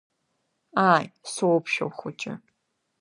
Ааи, соуԥшәыл хәыҷы.